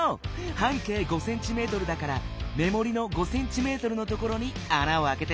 半径５ｃｍだからめもりの５ｃｍのところにあなをあけて。